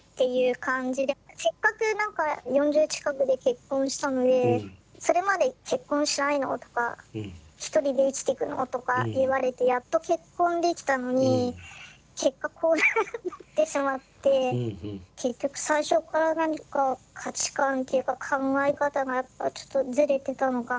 感じでせっかく何か４０近くで結婚したのでそれまで「結婚しないの？」とか「１人で生きていくの？」とか言われてやっと結婚できたのに結果こうなってしまって結局最初から何か価値観っていうか考え方がやっぱちょっとずれてたのかな。